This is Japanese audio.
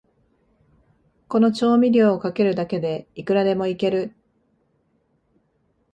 この調味料をかけるだけで、いくらでもイケる